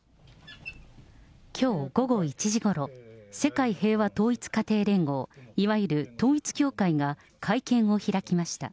きょう午後１時ごろ、世界平和統一家庭連合、いわゆる統一教会が会見を開きました。